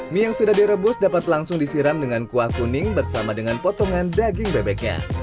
mie yang sudah direbus dapat langsung disiram dengan kuah kuning bersama dengan potongan daging bebeknya